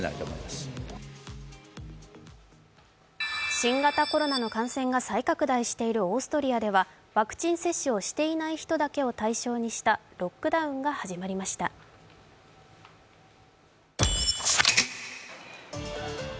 新型コロナの感染が再拡大しているオーストリアではワクチン接種をしていない人だけを対象にしたロックダウンが始まりました。